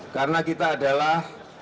karena kita adalah